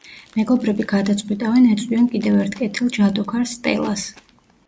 მეგობრები გადაწყვიტავენ, ეწვიონ კიდევ ერთ კეთილ ჯადოქარს, სტელას.